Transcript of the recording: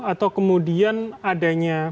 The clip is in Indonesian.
atau kemudian adanya